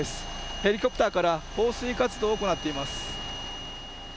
ヘリコプターから放水活動を行っています。